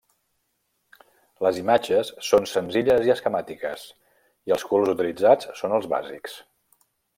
Les imatges són senzilles i esquemàtiques, i els colors utilitzats són els bàsics.